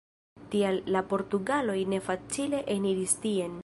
Tial la portugaloj ne facile eniris tien.